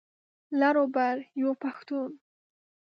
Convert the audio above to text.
لر او بر یو پښتون.